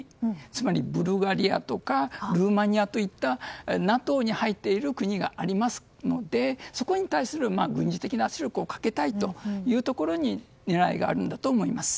つまりブルガリアとかルーマニアといったＮＡＴＯに入っている国がありますのでそこに対する軍事的圧力をかけたいというところに狙いがあるんだと思います。